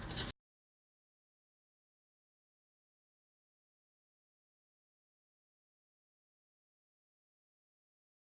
cerita terkini tidak hanya pendubuhan